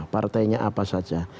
partainya apa saja